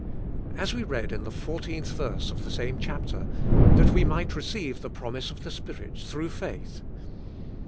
As we read in the 14th verse of the same chapter, ''That we might receive the promise of the Spirit, through faith.